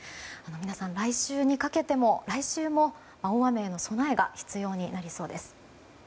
皆さん、来週も大雨への備えが必要になりそうです。